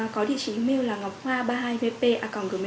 có địa chỉ email là ngọchoa ba mươi hai vp com